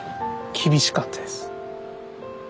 厳しかったです。